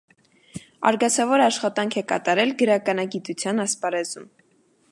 Արգասավոր աշխատանք է կատարել գրականագիտության ասպարեզում։